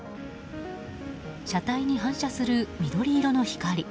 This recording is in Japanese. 車体に反射する緑色の光。